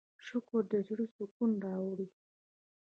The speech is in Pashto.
شکر د زړۀ سکون راوړي.